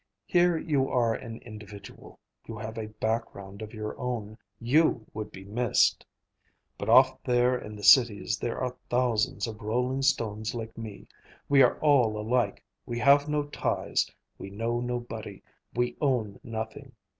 Here you are an individual, you have a background of your own, you would be missed. But off there in the cities there are thousands of rolling stones like me. We are all alike; we have no ties, we know nobody, we own nothing.